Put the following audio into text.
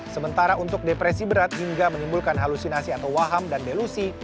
sementara untuk depresi berat hingga menimbulkan halusinasi atau waham dan delusi